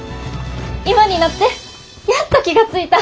今になってやっと気が付いた！